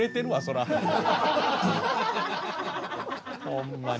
ほんまに。